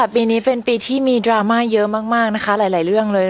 ปีนี้เป็นปีที่มีดราม่าเยอะมากนะคะหลายเรื่องเลย